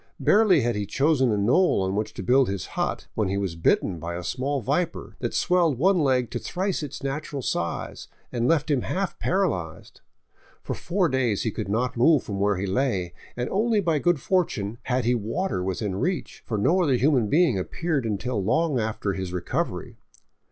Barely had he chosen a knoll on which to build his hut, when he was bitten by a small viper that swelled one leg to thrice its natural size and left him half para lyzed. For four days he could not move from where he lay, and only by good fortune had he water within reach, for no other human being appeared until long after his recovery.